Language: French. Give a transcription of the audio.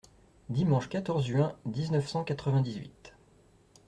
Dimanche quatorze juin dix-neuf cent quatre-vingt-dix-huit.